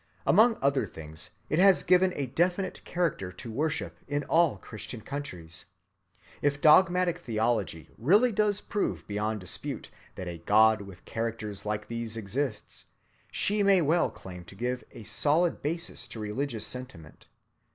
Among other things it has given a definite character to worship in all Christian countries. If dogmatic theology really does prove beyond dispute that a God with characters like these exists, she may well claim to give a solid basis to religious sentiment.